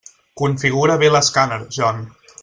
Configura bé l'escàner, John.